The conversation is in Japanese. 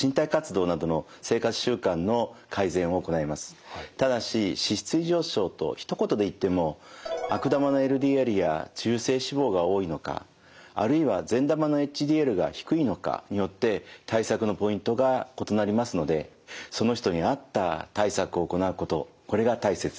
まずはただし脂質異常症とひと言で言っても悪玉のＬＤＬや中性脂肪が多いのかあるいは善玉のＨＤＬが低いのかによって対策のポイントが異なりますのでその人に合った対策を行うことこれが大切です。